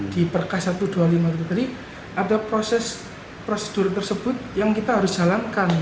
di perkas satu ratus dua puluh lima itu tadi ada proses prosedur tersebut yang kita harus jalankan